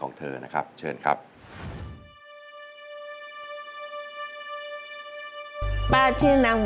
ร้องได้ให้ร้าง